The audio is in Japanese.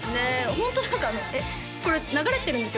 ホント何かえっこれ流れてるんですよね？